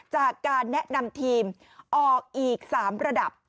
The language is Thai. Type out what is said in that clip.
จากการแนะนำทีมออกอีก๓ระดับ